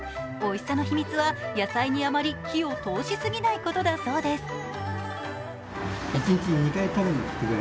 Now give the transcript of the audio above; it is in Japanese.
おいしさの秘密は野菜にあまり火を通しすぎないことだそうです。